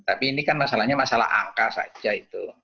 tapi ini kan masalahnya masalah angka saja itu